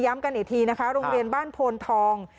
กันอีกทีนะคะโรงเรียนบ้านโพนทอง